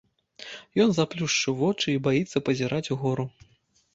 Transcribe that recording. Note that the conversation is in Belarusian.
Ён заплюшчыў вочы і баіцца пазіраць угору.